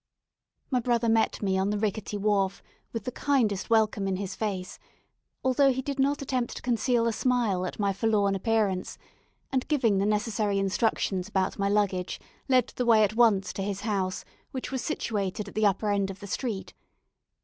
My brother met me on the rickety wharf with the kindest welcome in his face, although he did not attempt to conceal a smile at my forlorn appearance, and giving the necessary instructions about my luggage, led the way at once to his house, which was situated at the upper end of the street.